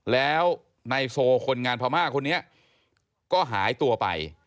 แล้วในโซคนงานภามากคนนี้ก็หายตัวไป